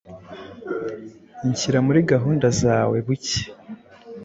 Nshyira muri gahunda zawe bucye